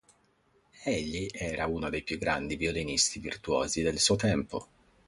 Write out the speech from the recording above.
Egli era uno dei più grandi violinisti virtuosi del suo tempo.